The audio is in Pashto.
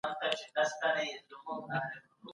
موږ بايد خپل هدفونه وساتو.